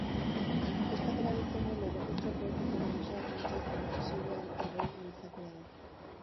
Artistak erabiltzen duen errekurtso poetiko nagusia pentsatzen, isilean, dagoen gizakia da.